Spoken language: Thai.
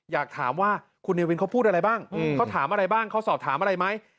อยากถามว่าคุณเนวินเขาพูดอะไรบ้างเขาถามอะไรบ้างเขาสอบถามอะไรไหม